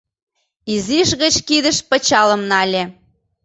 Изиш гыч кидыш пычалым нале.